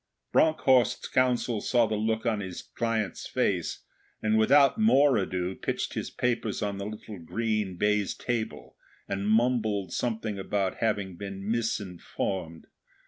Bronckhorst's Counsel saw the look on his client's face, and without more ado pitched his papers on the little green baize table, and mumbled something about having been misinformed.